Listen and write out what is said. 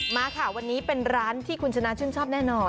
มาค่ะวันนี้เป็นร้านที่คุณชนะชื่นชอบแน่นอน